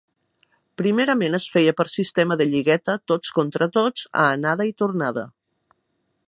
Primerament es feia per sistema de lligueta tots contra tots a anada i tornada.